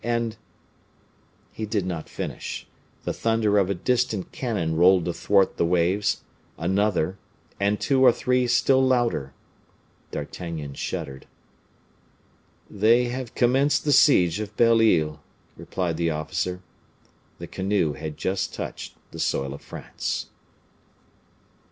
and " He did not finish; the thunder of a distant cannon rolled athwart the waves, another, and two or three still louder. D'Artagnan shuddered. "They have commenced the siege of Belle Isle," replied the officer. The canoe had just touched the soil of France.